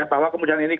bahwa kemudian ini